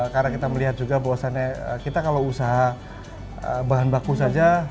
karena kita melihat juga puasannya kita kalau usaha bahan baku saja